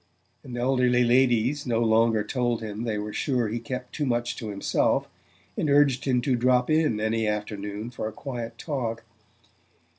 and elderly ladies no longer told him they were sure he kept too much to himself, and urged him to drop in any afternoon for a quiet talk.